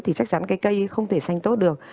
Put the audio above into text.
thì chắc chắn cái cây không thể xanh tốt được